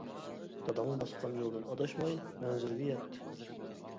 داداڭ باسقان يولدىن ئاداشماي، مەنزىلگە يەت!